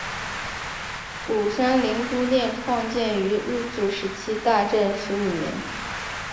鼓山珠灵殿创建于日治时期大正十五年。